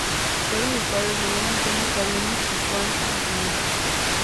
Fueron sus padres Manuel Antonio Cedeño y Juana Hernández.